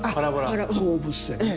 放物線ね。